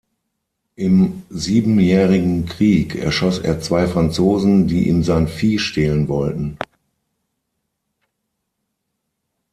Im Siebenjährigen Krieg erschoss er zwei Franzosen, die ihm sein Vieh stehlen wollten.